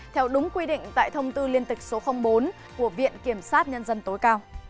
theo đúng quy định tại thông tư liên tịch số bốn của viện kiểm sát nhân dân tối cao